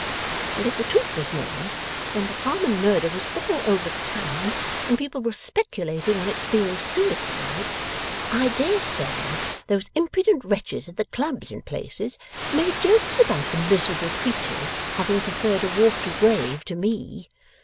And if the truth was known, when the Harmon murder was all over the town, and people were speculating on its being suicide, I dare say those impudent wretches at the clubs and places made jokes about the miserable creature's having preferred a watery grave to me.